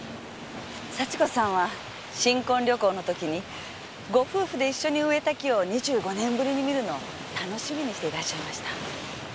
幸子さんは新婚旅行の時にご夫婦で一緒に植えた木を２５年ぶりに見るのを楽しみにしていらっしゃいました。